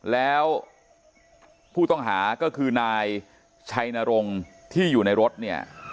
แล้วผู้ต้องหาก็คือนายชัยนรงค์ที่อยู่ในรถเนี่ย